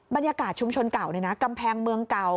บรรยากาศชุมชนเก่ากำแพงเมืองเก่า